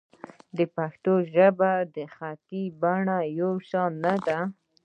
د پښتو ژبې خطي بڼه یو شان نه ده.